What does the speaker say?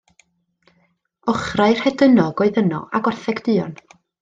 Ochrau rhedynog oedd yno, a gwartheg duon.